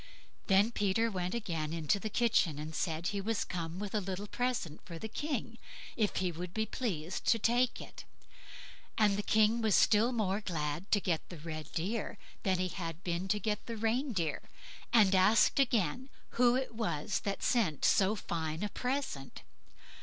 Then Peter went again into the kitchen, and said he was come with a little present for the King, if he would be pleased to take it. And the King was still more glad to get the red deer than he had been to get the reindeer, and asked again who it was that sent so fine a present.